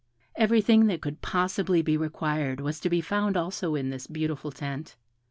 Everything that could possibly be required was to be found also in this beautiful tent.